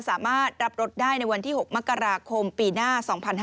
สามารถรับรถได้ในวันที่๖มกราคมปีหน้า๒๕๕๙